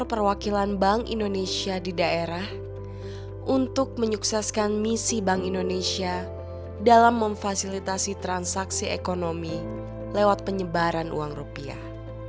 perwakilan bank indonesia di daerah untuk menyukseskan misi bank indonesia dalam memfasilitasi transaksi ekonomi lewat penyebaran uang rupiah